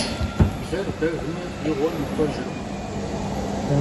Bler begme, yi ğuem yixuejjırkhım.